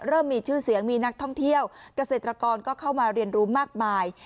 มีชื่อเสียงมีนักท่องเที่ยวเกษตรกรก็เข้ามาเรียนรู้มากมาย